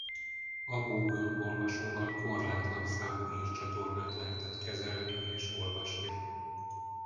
A Google olvasóval korlátlan számú hírcsatornát lehetett kezelni és olvasni.